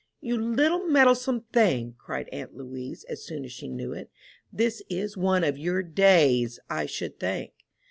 "You little meddlesome thing," cried aunt Louise, as soon as she knew it, "this is one of your days, I should think!"